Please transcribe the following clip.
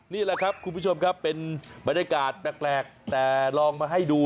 นี่แหละครับคุณผู้ชมครับเป็นบรรยากาศแปลกแต่ลองมาให้ดู